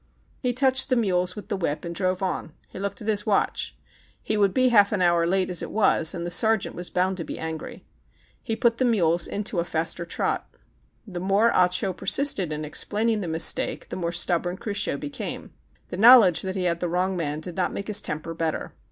He touched the mules with the whip and drove on. He looked at his watch. He would be half an hour late as it was, and the sergeant was bound to be angry. He put the mules into a faster trot. The more Ah Cho persisted in explaining the mistake, the more stubborn Cruchot became. The knowledge that he had the wrong man did not make his temper better.